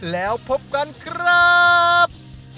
แล้วพบกันครับ